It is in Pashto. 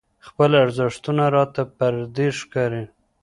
خپل ارزښتونه راته پردي ښکاري.